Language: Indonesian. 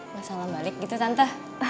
gak salam balik gitu tante